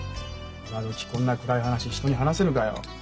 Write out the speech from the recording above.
今どきこんな暗い話人に話せるかよ。